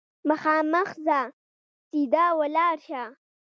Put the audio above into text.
مخامخ ځه ، سیده ولاړ شه !